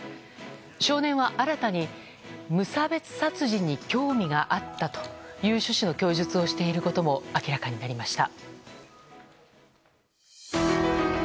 少年は新たに無差別殺人に興味があったという趣旨の供述をしていることも明らかになりました。